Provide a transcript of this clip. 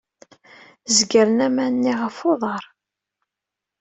Zegren aman-nni ɣef uḍar.